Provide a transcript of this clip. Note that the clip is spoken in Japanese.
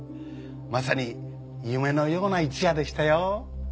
まさに夢のような一夜でしたよ。